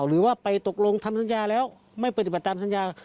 หรือว่าไปตกลงทำสัญญาแล้วไม่ปฏิบัติตามสัญญา